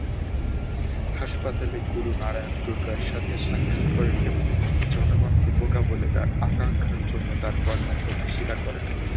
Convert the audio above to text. হাসপাতালে গুরু নারায়ণ দুর্গার সাথে সাক্ষাত করেন এবং জনগণকে বোকা বলে তার আকাঙ্ক্ষার জন্য তার কর্মের কথা স্বীকার করেন।